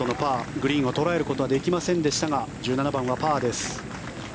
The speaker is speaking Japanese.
グリーンは捉えることはできませんでしたが１７番はパーです。